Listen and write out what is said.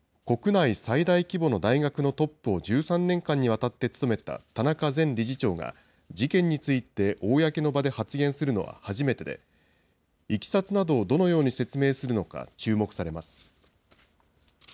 国内最大規模の大学のトップを１３年間にわたって務めた田中前理事長が、事件について公の場で発言するのは初めてで、いきさつなどをどのように説明するのか注目されます。